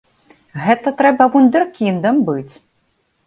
Гэта трэба вундэркіндам быць!